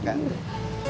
kamu yang menghargai